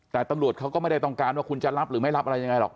แต่ตำรวจเขาก็ไม่ได้ต้องการว่าคุณจะรับหรือไม่รับอะไรยังไงหรอก